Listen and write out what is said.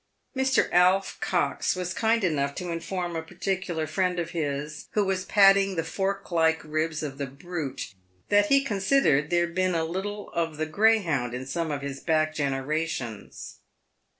Mr. Alf Cox was kind enough to inform a particular friend of his, who was patting the fork like ribs of the brute, that he considered there had been a little of the greyhound in some of his back generations.